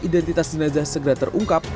identitas jenazah segera terungkap